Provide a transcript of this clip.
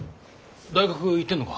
大学行ってんのか？